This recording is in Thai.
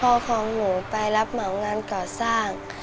ของหนูไปรับเหมางานก่อสร้าง